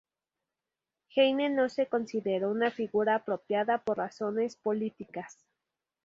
Heine no se consideró una figura apropiada por razones políticas.